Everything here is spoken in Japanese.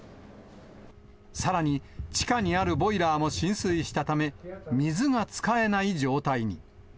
さらに、地下にあるボイラーも浸水したため、水が使えない状態に。